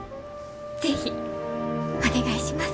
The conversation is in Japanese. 是非お願いします！